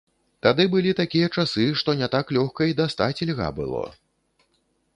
Тады былі такія часы, што не так лёгка і дастаць льга было.